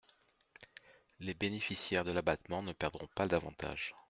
Les bénéficiaires de l’abattement ne perdront pas d’avantages.